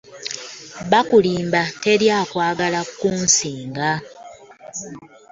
Bakulimba teri akwagala kunsinga.